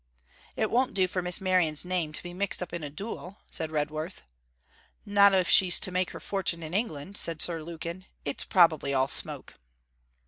'It won't do for Miss Merion's name to be mixed up in a duel,' said Redworth. 'Not if she's to make her fortune in England,' said Sir Lukin. 'It's probably all smoke.'